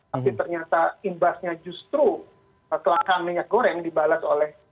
tapi ternyata imbasnya justru kelangkaan minyak goreng dibalas oleh